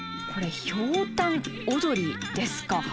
これひょうたん踊りですか。